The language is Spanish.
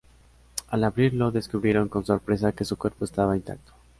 Al abrirlo, descubrieron con sorpresa que su cuerpo estaba intacto.